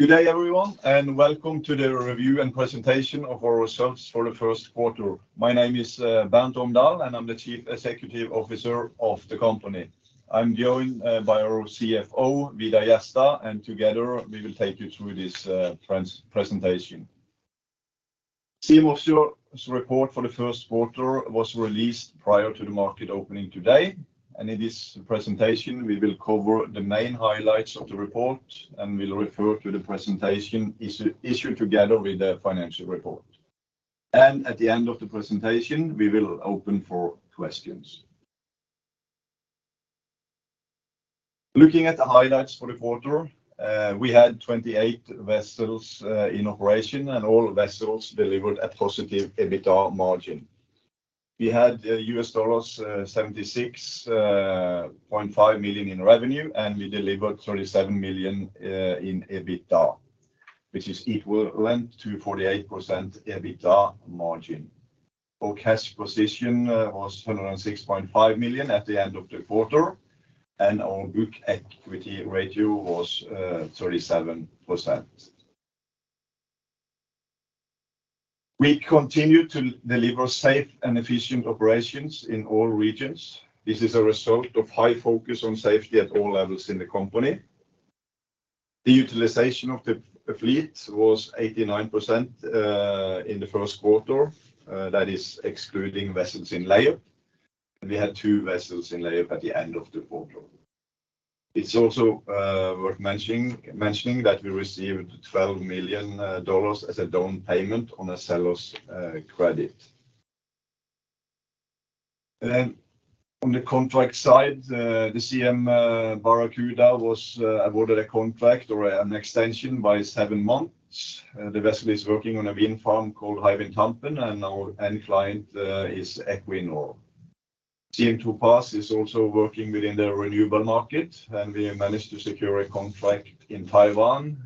Good day everyone, and welcome to the review and presentation of our results for the first quarter. My name is Bernt Omdal, and I'm the Chief Executive Officer of the company. I'm joined by our CFO, Vidar Jerstad, together we will take you through this presentation. Siem Offshore's report for the first quarter was released prior to the market opening today. In this presentation we will cover the main highlights of the report, and we'll refer to the presentation issued together with the financial report. At the end of the presentation, we will open for questions. Looking at the highlights for the quarter, we had 28 vessels in operation and all vessels delivered a positive EBITDA margin. We had $76.5 million in revenue. We delivered $37 million in EBITDA, which is equivalent to 48% EBITDA margin. Our cash position was $106.5 million at the end of the quarter. Our book equity ratio was 37%. We continue to deliver safe and efficient operations in all regions. This is a result of high focus on safety at all levels in the company. The utilization of the fleet was 89% in the first quarter. That is excluding vessels in layup. We had two vessels in layup at the end of the quarter. It's also worth mentioning that we received $12 million as a down payment on a seller's credit. On the contract side, the Siem Barracuda was awarded a contract or an extension by seven months. The vessel is working on a wind farm called Hywind Tampen, and our end client is Equinor. Siem Topaz is also working within the renewable market, and we have managed to secure a contract in Taiwan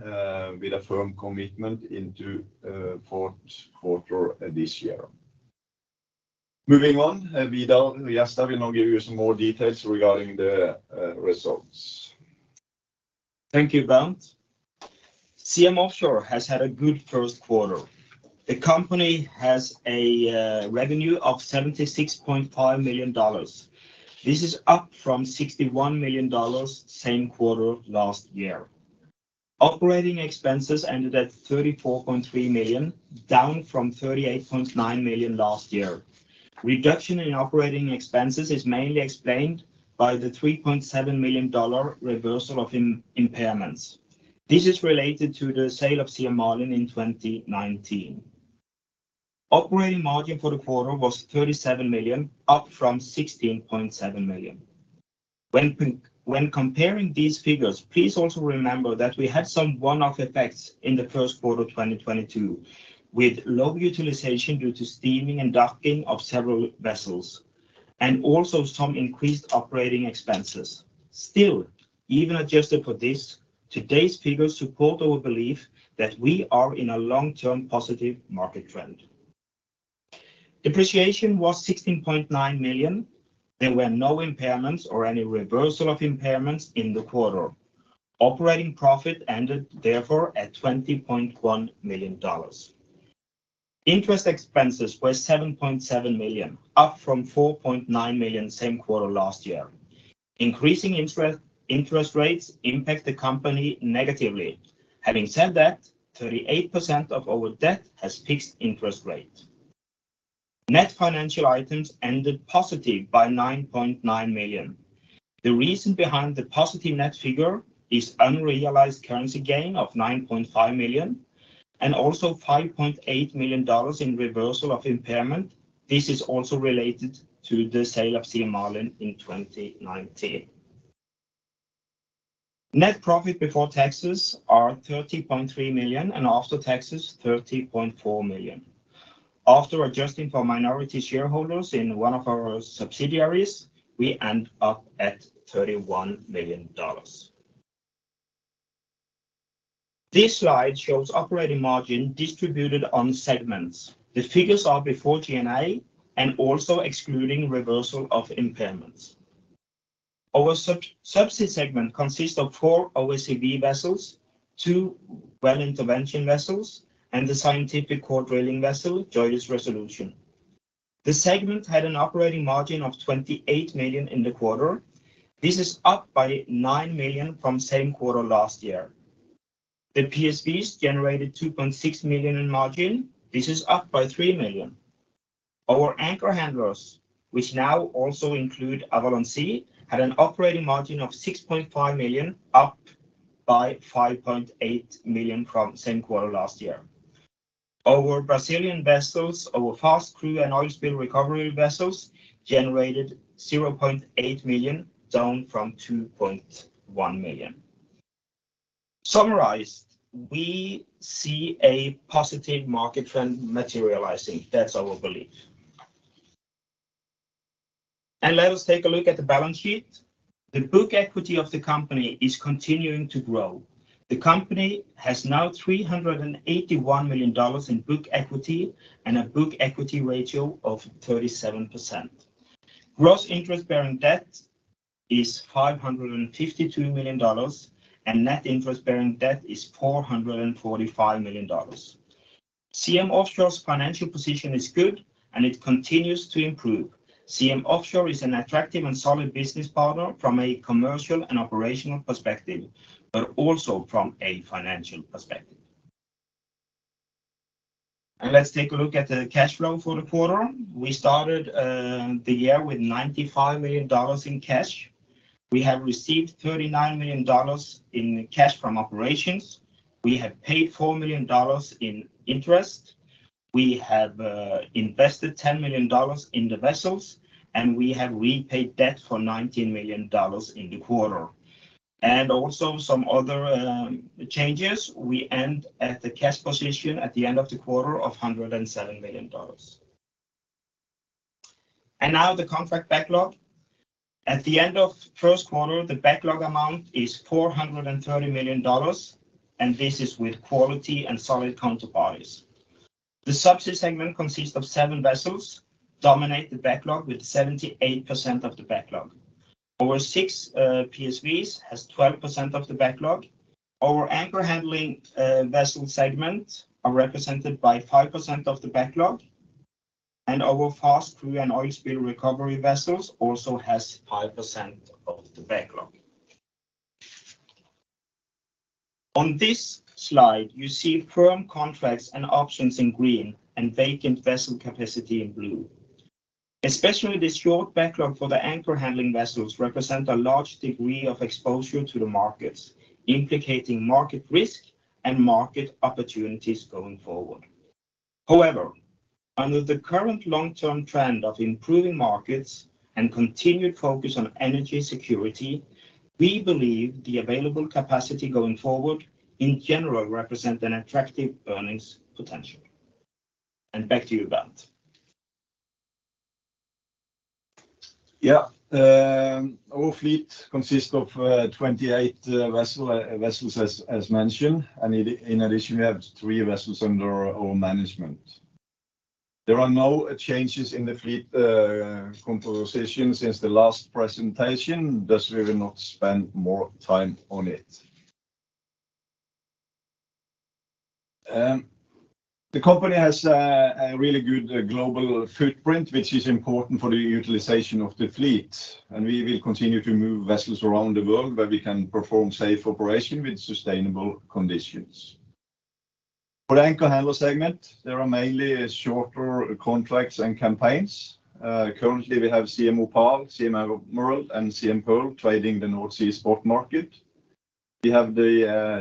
with a firm commitment into 4th quarter this year. Moving on, Vidar Jerstad will now give you some more details regarding the results. Thank you Bernt.Siem Offshore has had a good first quarter. The company has a revenue of $76.5 million. This is up from $61 million same quarter last year. Operating expenses ended at $34.3 million, down from $38.9 million last year. Reduction in operating expenses is mainly explained by the $3.7 million reversal of impairments. This is related to the sale of Siem Marlin in 2019. Operating margin for the quarter was $37 million, up from $16.7 million. When comparing these figures, please also remember that we had some one-off effects in the first quarter 2022, with low utilization due to steaming and docking of several vessels, and also some increased operating expenses. Still, even adjusted for this, today's figures support our belief that we are in a long-term positive market trend. Depreciation was $16.9 million. There were no impairments or any reversal of impairments in the quarter. Operating profit ended therefore at $20.1 million. Interest expenses were $7.7 million, up from $4.9 million same quarter last year. Increasing interest rates impact the company negatively. Having said that, 38% of our debt has fixed interest rate. Net financial items ended positive by $9.9 million. The reason behind the positive net figure is unrealized currency gain of $9.5 million and also $5.8 million in reversal of impairment. This is also related to the sale of Siem Marlin in 2019. Net profit before taxes are $30.3 million and after taxes $30.4 million. After adjusting for minority shareholders in one of our subsidiaries, we end up at $31 million. This slide shows operating margin distributed on segments. The figures are before G&A and also excluding reversal of impairments. Our sub-subsea segment consists of four OSV vessels, two well intervention vessels and the scientific core drilling vessel, JOIDES Resolution. The segment had an operating margin of 28 million in the quarter. This is up by 9 million from same quarter last year. The PSVs generated 2.6 million in margin. This is up by 3 million. Our anchor handlers, which now also include Avalon Sea, had an operating margin of 6.5 million, up by 5.8 million from same quarter last year. Our Brazilian vessels, our fast crew and oil spill recovery vessels, generated 0.8 million, down from 2.1 million. Summarized, we see a positive market trend materializing. That's our belief. Let us take a look at the balance sheet. The Book equity of the company is continuing to grow. The company has now $381 million in Book equity and a Book equity ratio of 37%. Gross interest-bearing debt is $552 million, net interest-bearing debt is $445 million. Siem Offshore's financial position is good, it continues to improve. Siem Offshore is an attractive and solid business partner from a commercial and operational perspective, but also from a financial perspective. Let's take a look at the cash flow for the quarter. We started the year with $95 million in cash. We have received $39 million in cash from operations. We have paid $4 million in interest. We have invested $10 million in the vessels, we have repaid debt for $19 million in the quarter. Also some other changes. We end at the cash position at the end of the quarter of $107 million. Now the contract backlog. At the end of first quarter, the backlog amount is $430 million, this is with quality and solid counterparties. The subsea segment consists of seven vessels, dominate the backlog with 78% of the backlog. Our six PSVs has 12% of the backlog. Our anchor handling vessel segment are represented by 5% of the backlog. Our fast crew and oil spill recovery vessels also has 5% of the backlog. On this slide, you see firm contracts and options in green and vacant vessel capacity in blue. Especially the short backlog for the anchor handling vessels represent a large degree of exposure to the markets, implicating market risk and market opportunities going forward. However, under the current long-term trend of improving markets and continued focus on energy security, we believe the available capacity going forward in general represent an attractive earnings potential. Back to you, Bernt. Our fleet consists of 28 vessel vessels as mentioned, and in addition, we have three vessels under our management. There are no changes in the fleet composition since the last presentation, thus we will not spend more time on it. The company has a really good global footprint, which is important for the utilization of the fleet, and we will continue to move vessels around the world where we can perform safe operation with sustainable conditions. For the anchor handler segment, there are mainly shorter contracts and campaigns. Currently, we have Siem Opal, Siem Emerald, and Siem Pearl trading the North Sea spot market. We have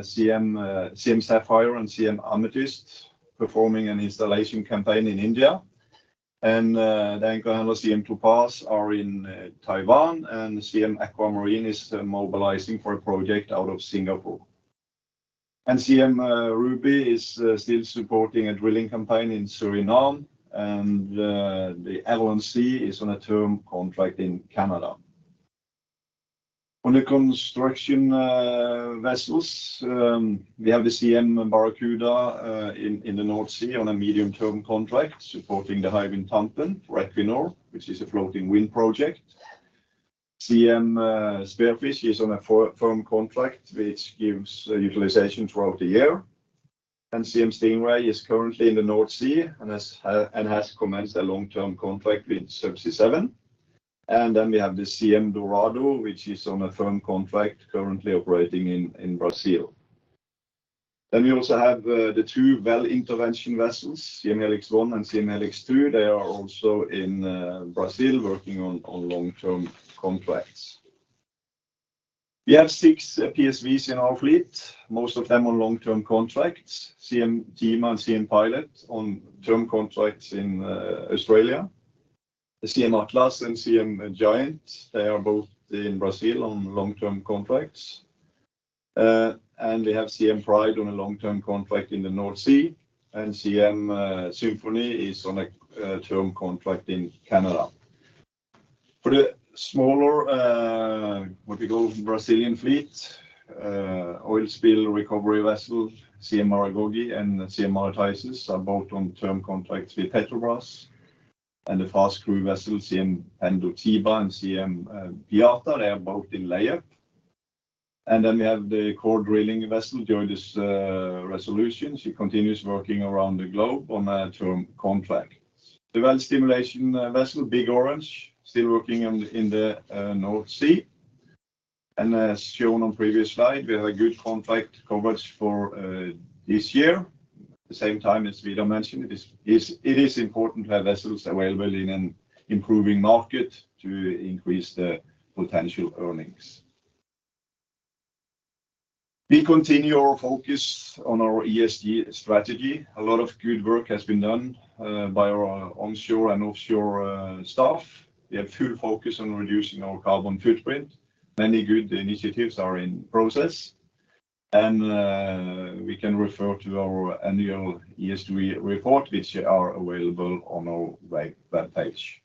Siem Sapphire and Siem Amethyst performing an installation campaign in India. The anchor handler Siem Topaz are in Taiwan, and Siem Aquamarine is mobilizing for a project out of Singapore. Siem Ruby is still supporting a drilling campaign in Suriname. The Ellen C. is on a term contract in Canada. On the construction vessels, we have the Siem Barracuda in the North Sea on a medium-term contract supporting the Hywind Tampen for Equinor, which is a floating wind project. Siem Spearfish is on a firm contract which gives utilization throughout the year. Siem Stingray is currently in the North Sea and has commenced a long-term contract with Subsea 7. We have the Siem Dorado, which is on a firm contract currently operating in Brazil. We also have the two well intervention vessels, Siem Helix 1 and Siem Helix 2. They are also in Brazil working on long-term contracts. We have six PSVs in our fleet, most of them on long-term contracts. Siem Gemma and Siem Pilot on term contracts in Australia. The Siem Atlas and Siem Giant, they are both in Brazil on long-term contracts. We have Siem Pride on a long-term contract in the North Sea, and Siem Symphony is on a term contract in Canada. For the smaller, what we call Brazilian fleet, oil spill recovery vessel Siem Maragogi and Siem Marataizes are both on term contracts with Petrobras. The fast crew vessel Siem Pendotiba and Siem Piata, they are both in layup. We have the core drilling vessel JOIDES Resolution. She continues working around the globe on a term contract. The well stimulation vessel, Big Orange, still working in the North Sea. As shown on previous slide, we have a good contract coverage for this year. At the same time, as Vidar mentioned, it is important to have vessels available in an improving market to increase the potential earnings. We continue our focus on our ESG strategy. A lot of good work has been done by our onshore and offshore staff. We have full focus on reducing our carbon footprint. Many good initiatives are in process. We can refer to our annual ESG report which are available on our webpage.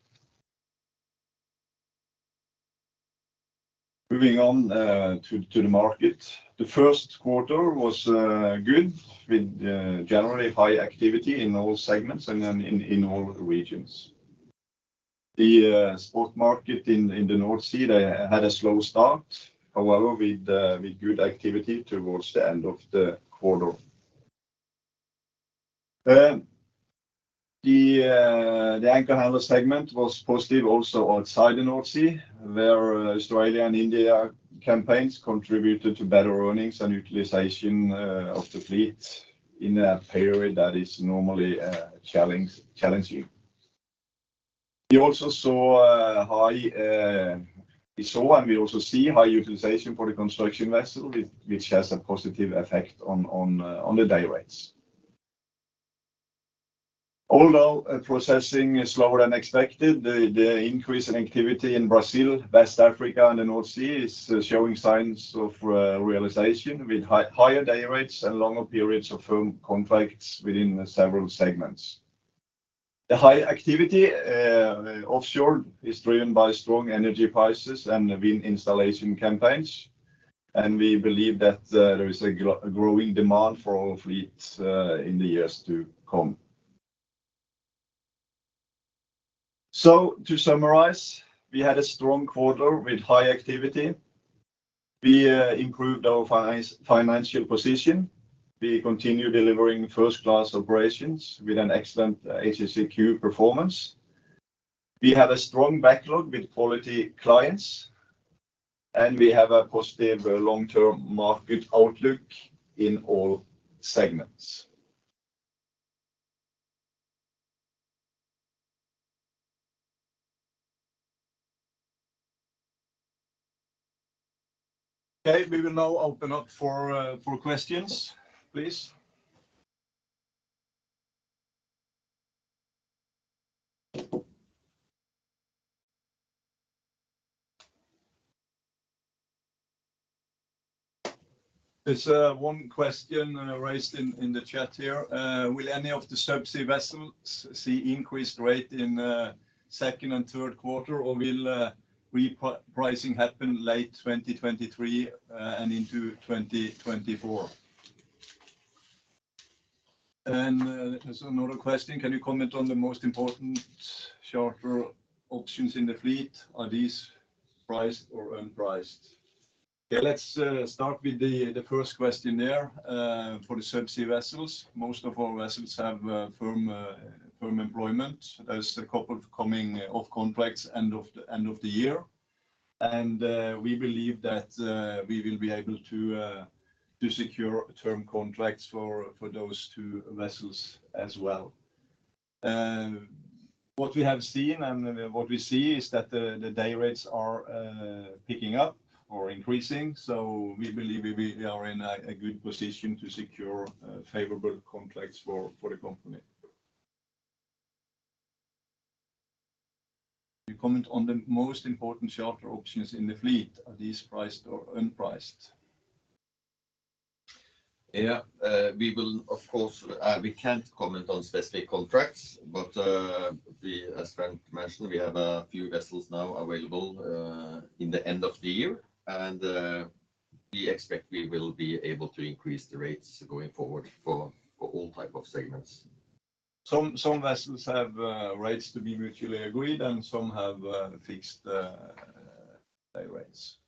Moving on to the market. The first quarter was good with generally high activity in all segments and in all regions. The spot market in the North Sea, they had a slow start. However, with good activity towards the end of the quarter. The anchor handler segment was positive also outside the North Sea, where Australia and India campaigns contributed to better earnings and utilization of the fleet in a period that is normally challenging. We saw and we also see high utilization for the construction vessel, which has a positive effect on the day rates. Although processing is slower than expected, the increase in activity in Brazil, West Africa and the North Sea is showing signs of realization with higher day rates and longer periods of firm contracts within several segments. The high activity offshore is driven by strong energy prices and wind installation campaigns. We believe that there is a growing demand for our fleets in the years to come. To summarize, we had a strong quarter with high activity. We improved our financial position. We continue delivering first class operations with an excellent HSEQ performance. We have a strong backlog with quality clients. We have a positive long term market outlook in all segments. Okay. We will now open up for questions, please. There's one question raised in the chat here. Will any of the subsea vessels see increased rate in 2nd and 3rd quarter, or will pricing happen late 2023 and into 2024? There's another question: Can you comment on the most important charter options in the fleet? Are these priced or unpriced? Let's start with the first question there for the subsea vessels. Most of our vessels have firm employment. There's a couple coming off contracts end of the year, we believe that we will be able to secure term contracts for those two vessels as well. What we have seen and what we see is that the day rates are picking up or increasing. We believe we are in a good position to secure favorable contracts for the company. Can you comment on the most important charter options in the fleet? Are these priced or unpriced? Yeah. We will of course... We can't comment on specific contracts, but, as Vidar mentioned, we have a few vessels now available in the end of the year. We expect we will be able to increase the rates going forward for all type of segments. Some vessels have rates to be mutually agreed and some have fixed day rates.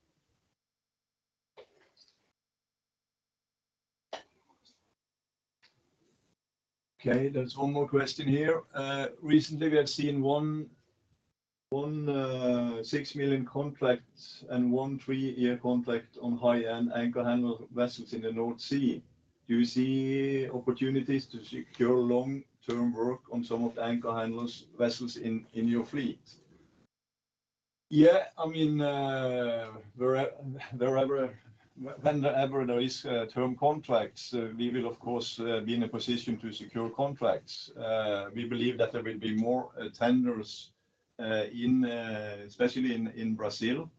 Okay. There's one more question here. Recently we have seen one 6 million contract and one three-year contract on high-end anchor handling vessels in the North Sea. Do you see opportunities to secure long-term work on some of the anchor handlers vessels in your fleet? Yeah. I mean, Whenever there is term contracts, we will of course be in a position to secure contracts. We believe that there will be more tenders in especially in Brazil.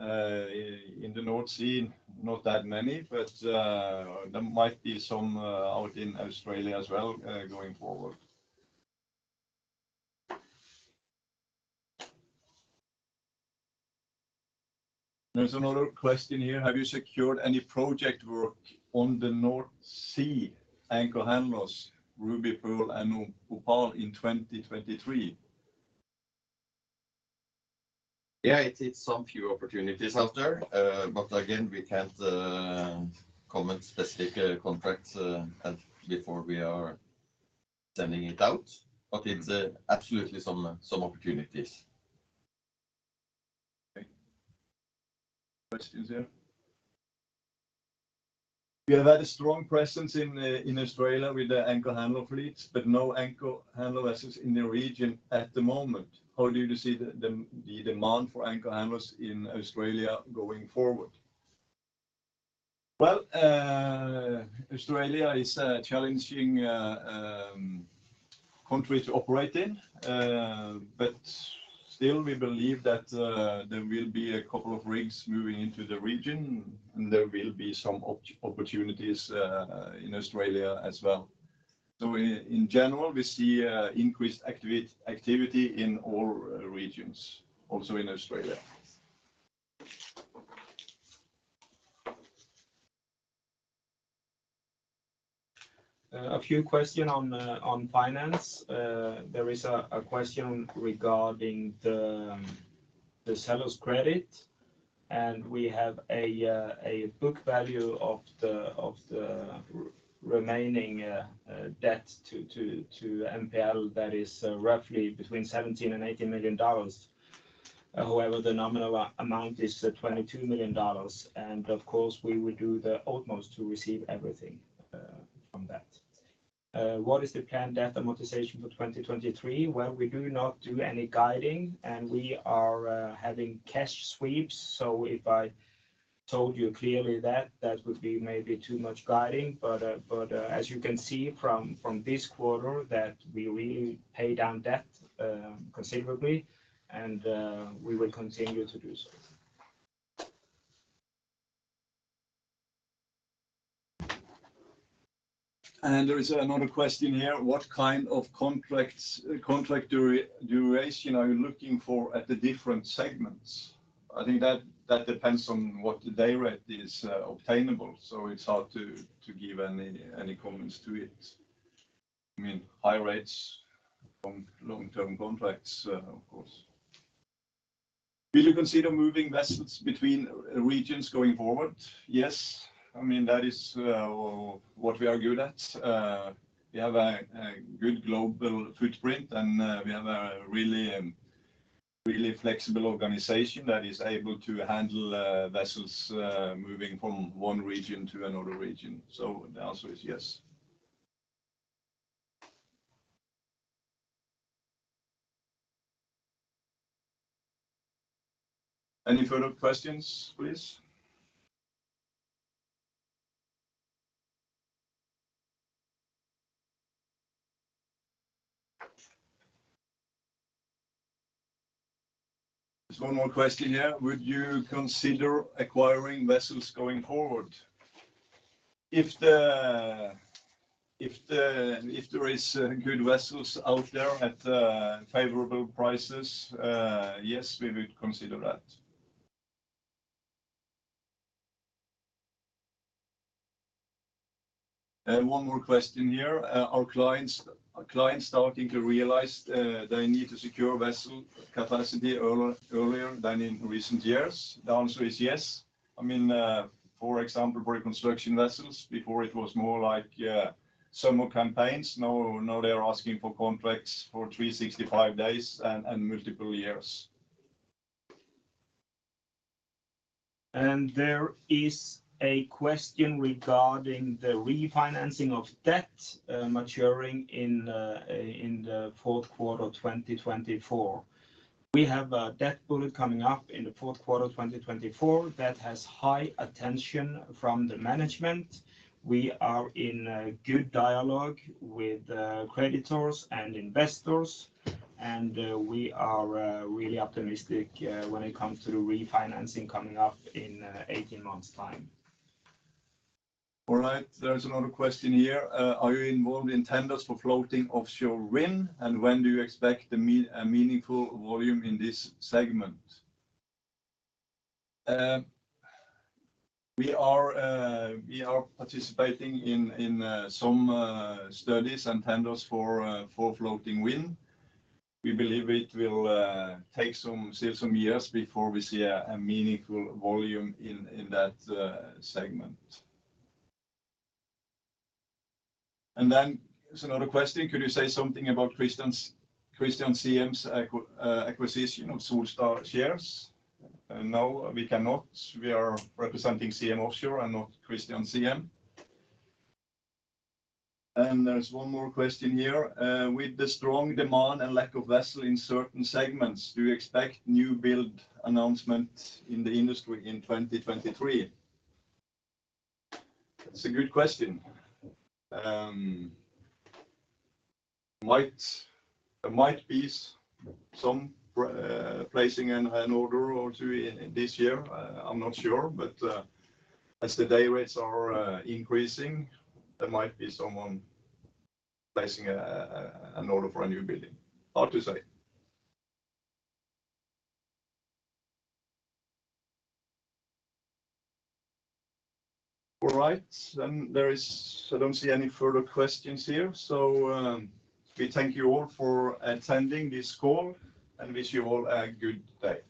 In the North Sea, not that many, but there might be some out in Australia as well, going forward. There's another question here. Have you secured any project work on the North Sea anchor handlers, Ruby, Pearl and Opal in 2023? Yeah, it's some few opportunities out there. Again, we can't comment specific contracts before we are sending it out. It's absolutely some opportunities. Okay. Questions here. You have had a strong presence in Australia with the anchor handler fleets, but no anchor handler vessels in the region at the moment. How do you see the demand for anchor handlers in Australia going forward? Well, Australia is a challenging country to operate in. Still we believe that there will be a couple of rigs moving into the region and there will be some opportunities in Australia as well. In general, we see increased activity in all regions, also in Australia. A few question on finance. There is a question regarding the sellers credit. We have a book value of the remaining debt to MPL that is roughly between $17 million and $18 million. The nominal amount is $22 million, and of course, we will do the utmost to receive everything from that. What is the planned debt amortization for 2023? Well, we do not do any guiding, and we are having cash sweeps, so if I told you clearly that would be maybe too much guiding. As you can see from this quarter that we really pay down debt considerably, and we will continue to do so. There is another question here: What kind of contract duration are you looking for at the different segments? I think that depends on what the day rate is obtainable, so it's hard to give any comments to it. I mean, high rates on long-term contracts, of course. Will you consider moving vessels between regions going forward? Yes. I mean, that is what we are good at. We have a good global footprint and we have a really, really flexible organization that is able to handle vessels moving from one region to another region. The answer is yes. Any further questions, please? There's one more question here. Would you consider acquiring vessels going forward? If there is good vessels out there at favorable prices, yes, we would consider that. One more question here. Are clients starting to realize they need to secure vessel capacity earlier than in recent years? The answer is yes. I mean, for example, reconstruction vessels, before it was more like summer campaigns. Now they are asking for contracts for 365 days and multiple years. There is a question regarding the refinancing of debt maturing in the fourth quarter of 2024. We have a debt bullet coming up in the fourth quarter of 2024 that has high attention from the management. We are in a good dialogue with creditors and investors, and we are really optimistic when it comes to refinancing coming up in 18 months' time. All right, there's another question here. Are you involved in tenders for floating offshore wind, and when do you expect a meaningful volume in this segment? We are participating in some studies and tenders for floating wind. We believe it will take some, still some years before we see a meaningful volume in that segment. Then there's another question. Could you say something about Christian Siem's acquisition of Solstad shares? No, we cannot. We are representingSiem Offshore and not Christian Siem. There's one more question here. With the strong demand and lack of vessel in certain segments, do you expect new build announcements in the industry in 2023? That's a good question. There might be some placing an order or two in this year. I'm not sure, but as the day rates are increasing, there might be someone placing an order for a new building. Hard to say. All right. Then there is... I don't see any further questions here. We thank you all for attending this call and wish you all a good day. Thank you.